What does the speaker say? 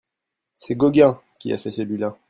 C'est Gauguin qui a fait celui-là...